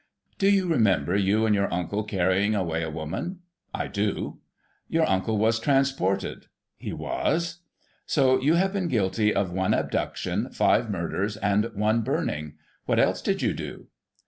Do you remember you and your imcle carrying away a woman? — I do. Your imcle was transported ?— He was. So you have been guilty of one abduction, five murders, and one burning ; what else did you do